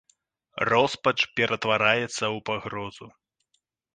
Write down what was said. Роспач ператвараецца ў пагрозу.